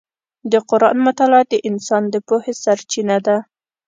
د قرآن مطالعه د انسان د پوهې سرچینه ده.